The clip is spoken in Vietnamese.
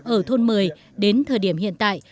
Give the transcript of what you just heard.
ở thôn một mươi đến thời điểm hiện tại